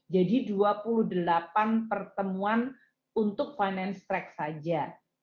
jadi dua puluh delapan pertemuan untuk finance track saja